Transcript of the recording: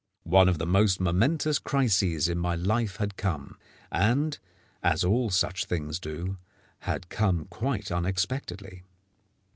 One of the most momentous crises in my life had come, and, as all such things do, had come quite unexpectedly.